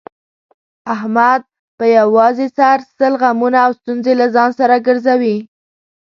احمد په یووازې سر سل غمونه او ستونزې له ځان سره ګرځوي.